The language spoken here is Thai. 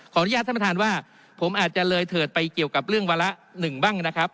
อนุญาตท่านประธานว่าผมอาจจะเลยเถิดไปเกี่ยวกับเรื่องวาระหนึ่งบ้างนะครับ